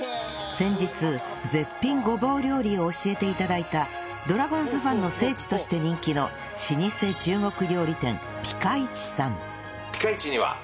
先日絶品ごぼう料理を教えて頂いたドラゴンズファンの聖地として人気の老舗中国料理店ピカイチさん